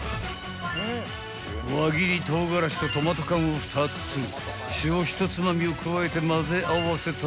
［輪切り唐辛子とトマト缶を２つ塩ひとつまみを加えてまぜ合わせたら］